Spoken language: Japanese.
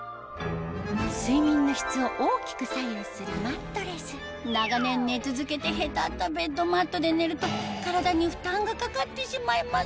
睡眠の質を大きく左右するマットレス長年寝続けてへたったベッドマットで寝ると体に負担がかかってしまいます